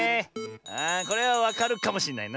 あこれはわかるかもしんないな。